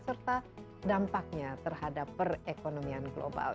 serta dampaknya terhadap perekonomian global